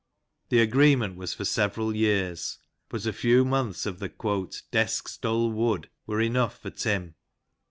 The agreement was for several years, but a few months of " the desk's dull wood" were enough for Tim.